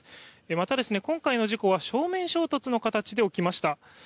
また、今回の事故は正面衝突の形で起きました。